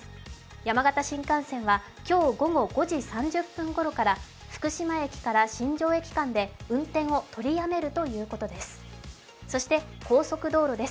山形新幹線は今日午前５時３０分頃から福島駅から新庄駅間で運転を取りやめるということです。